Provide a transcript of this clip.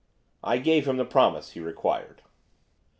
I gave him the promise he required.